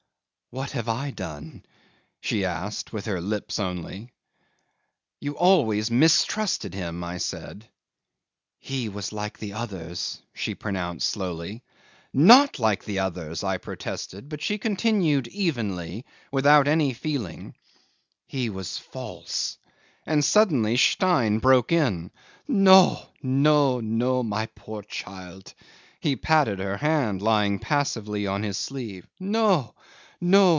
'"What have I done?" she asked with her lips only. '"You always mistrusted him," I said. '"He was like the others," she pronounced slowly. '"Not like the others," I protested, but she continued evenly, without any feeling '"He was false." And suddenly Stein broke in. "No! no! no! My poor child! ..." He patted her hand lying passively on his sleeve. "No! no!